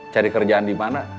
cari kerjaan dimana